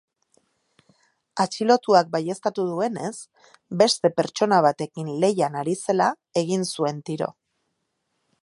Atxilotuak baieztatu duenez, beste pertsona batekin lehian ari zela egin zuen tiro.